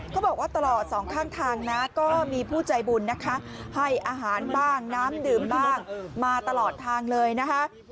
เขาบอกว่าตลอดสองข้างทางนะก็มีผู้ใจบุญนะคะให้อาหารบ้างน้ำดื่มบ้างมาตลอดทางเลยนะคะ